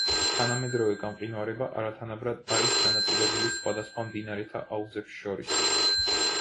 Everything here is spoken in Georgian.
თანამედროვე გამყინვარება არათანაბრად არის განაწილებული სხვადასხვა მდინარეთა აუზებს შორის.